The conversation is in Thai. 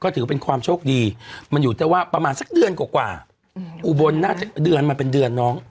ถือเป็นความโชคดีมันอยู่แต่ว่าประมาณสักเดือนกว่าอุบลน่าจะเดือนมาเป็นเดือนน้อง